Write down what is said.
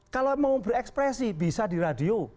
kalau mau berekspresi bisa di radio